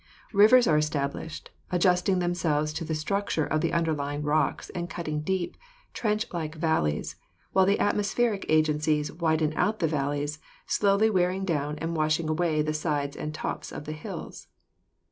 Rivers are established, adjusting themselves to the structure of the underlying rocks and cutting deep, trench like valleys, while the atmospheric agencies widen out the valleys, slowly wearing down and washing away the sides and tops of the hills.